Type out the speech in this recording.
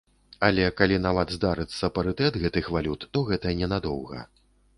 Але, калі нават здарыцца парытэт гэтых валют, то гэта ненадоўга.